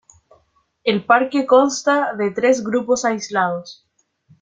El parque consta de tres grupos aislados.